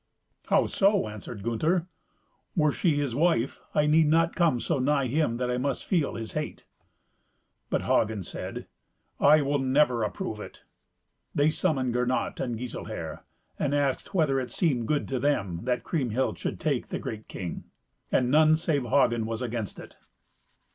"How so?" answered Gunther. "Were she his wife, I need not come so nigh him that I must feel his hate." But Hagen said, "I will never approve it." They summoned Gernot and Giselher, and asked whether it seemed good to them that Kriemhild should take the great king. And none save Hagen was against it.